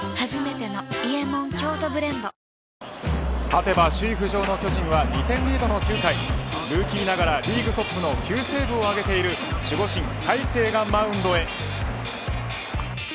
勝てば首位浮上の巨人は２点リードの９回ルーキーながらリーグトップの９セーブを挙げている守護神、大勢がマウンドへ。